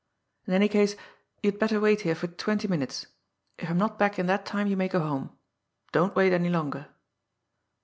"In any case, you had better wait here for twenty, minutes. If I am not back in that time, you may go home. Don't wait any longer."